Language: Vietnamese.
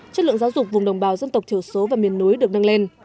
chất lượng giáo dục vùng đồng bào dân tộc thiểu số và miền núi được nâng lên